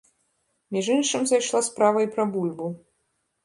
Між іншым зайшла справа і пра бульбу.